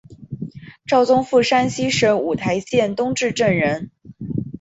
赵宗复山西省五台县东冶镇人。